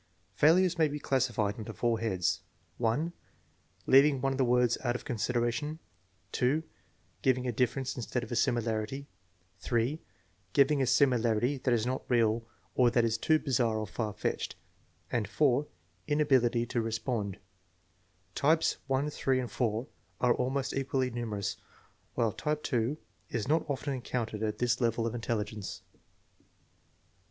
Failures may be classified under four heads: (1) Leaving one of the words out of consideration; () giving a difference instead of a similarity; (3) giving a similarity that is not real or that is too bizarre or far fetched; and (4) inability to respond. Types (1), (3), and (4) are almost equally numerous, while type (2) is not often encountered at this level of intelligence.